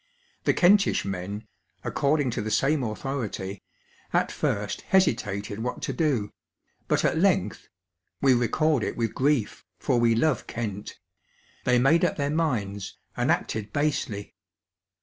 The Kentish men, according to the same authority, at first hesitated what to do, but at length (wc record it with grief, fof we love Kent) they made up their minds, and acted basely.